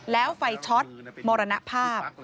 แล้วไฟช็อตมรณภาพ